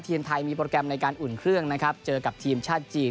ทีมไทยมีโปรแกรมในการอุ่นเครื่องนะครับเจอกับทีมชาติจีน